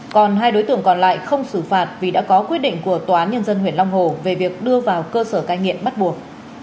còn hai đối tượng còn lại không xử phạt vì đã có quyết định của tòa án nhân dân huyện long hồ về việc đưa vào cơ sở cai nghiện bắt buộc